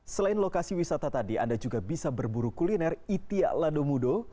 selain lokasi wisata tadi anda juga bisa berburu kuliner itia ladomudo